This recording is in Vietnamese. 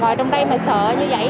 ngồi trong đây mà sợ như vậy